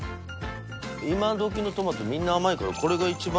今どきのトマトみんな甘いからこれが一番